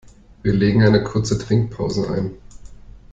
Wir legen eine kurze Trinkpause ein.